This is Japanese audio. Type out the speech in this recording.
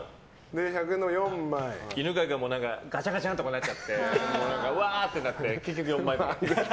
犬飼君もガチャガチャってなっちゃってうわーってなって結局４枚みたいな。